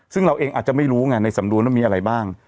ซึ่งเราเองอาจจะไม่รู้ไงในสำนวนว่ามีอะไรบ้าง